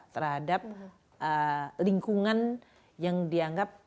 terhadap lingkungan yang dianggap